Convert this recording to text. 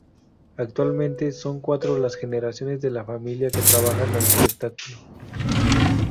Actualmente son cuatro las generaciones de la familia que trabajan al espectáculo.